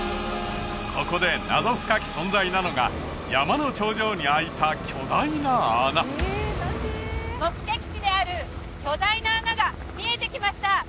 ここで謎深き存在なのが山の頂上にあいた巨大な穴目的地である巨大な穴が見えてきました！